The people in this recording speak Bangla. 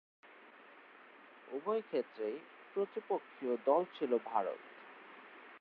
উভয়ে ক্ষেত্রেই প্রতিপক্ষীয় দল ছিল ভারত।